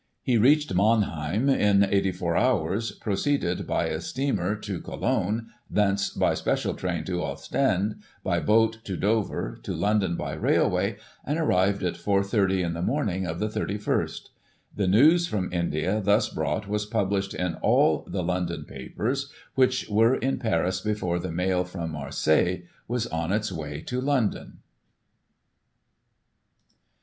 He reached Mannheim in 84 hours, proceeded by a steamer to Cologne, thence by special train to Ostend, by boat to Dover, to London by rail way, and arrived at 4,30 in the morning of the 31st. The news from India thus brought, was published in all the London papers, which were in Paris before the Mail from Marseilles was on its way to London.